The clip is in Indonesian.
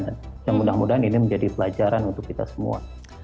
dan mudah mudahan ini menjadi pelajaran untuk kita semua